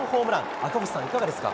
赤星さん、いかがですか？